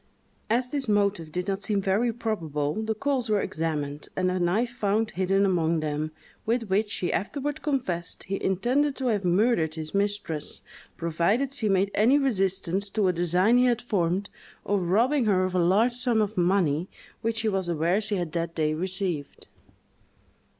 As this motive did not seem very probable, the coals were examined, and a knife found hidden among them, with which, he afterward confessed, he intended to have murdered his mistress, provided she made any resistance to a design he had formed of robbing her of a large sum of money which he was aware she had that day received.